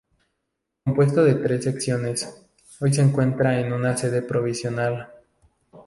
Compuesto de tres secciones, hoy se encuentra en una sede provisional.